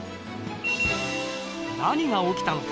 何が起きたのか。